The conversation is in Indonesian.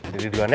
jadi duluan ya